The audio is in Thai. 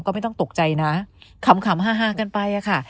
ก็ไม่ต้องตกใจนะขำฮากันไปอะค่ะ